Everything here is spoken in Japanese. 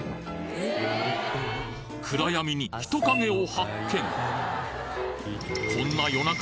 暗闇に人影を発見